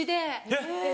えっ！